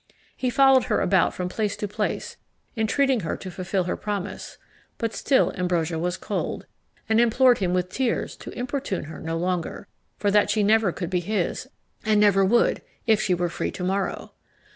He followed her about from place to place, entreating her to fulfil her promise: but still Ambrosia was cold, and implored him with tears to importune her no longer; for that she never could be his, and never would, if she were free to morrow.